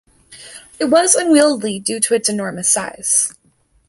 It was unwieldy due to its enormous size.